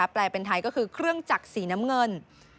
แปลเป็นไทยก็คือเครื่องจักรสีน้ำเงิน